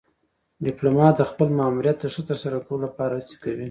ډيپلومات د خپل ماموریت د ښه ترسره کولو لپاره هڅه کوي.